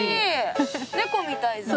猫みたいじゃん。